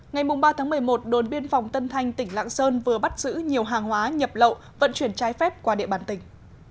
ngày ba một mươi một đồn biên phòng tân thanh tỉnh lạng sơn vừa bắt giữ nhiều hàng hóa nhập lậu vận chuyển trái phép qua địa bàn tỉnh